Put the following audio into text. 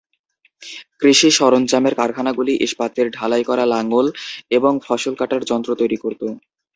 কৃষি-সরঞ্জামের কারখানাগুলি ইস্পাতের ঢালাই করা লাঙল এবং ফসল কাটার যন্ত্র তৈরি করত।